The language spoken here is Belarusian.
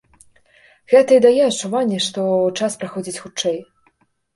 Гэта і дае адчуванне, што час праходзіць хутчэй.